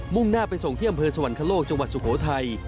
่งหน้าไปส่งที่อำเภอสวรรคโลกจังหวัดสุโขทัย